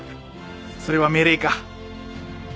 それは命令か？